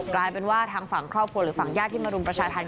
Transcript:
กลายเป็นว่าทางฝั่งครอบครัวหรือฝั่งญาติที่มารุมประชาธรรม